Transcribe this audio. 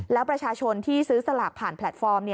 แล้วประชาชนที่ซื้อสลากผ่านแพลตฟอร์ม